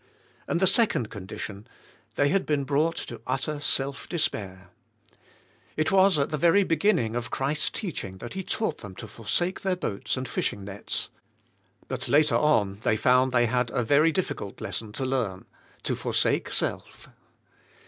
And the second condition: — They had been brought to utter self desfair. It was at the very beginning of Christ's teaching that He taught them to forsake their boats and fishing nets; but later on they found they had a very difficult lesson to learn — to forsake self.